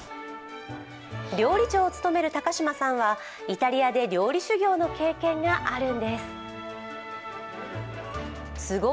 料理長を務める高嶋さんはイタリアで料理修業の経験があるんです。